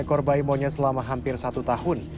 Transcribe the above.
empat belas ekor bayi monyet selama hampir satu tahun